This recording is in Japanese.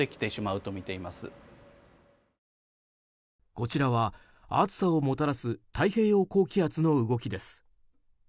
こちらは、暑さをもたらす太平洋高気圧の動きです。